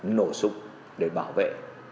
nổ súng để bảo vệ